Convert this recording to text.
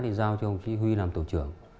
đi giao cho đồng chí huy làm tổ trưởng